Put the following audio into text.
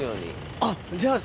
あっじゃあ。